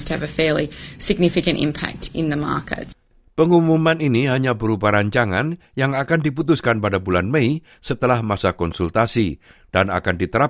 ketua eir claire savage memberikan lebih banyak wawasan tentang makna dibalik tawaran pasar default itu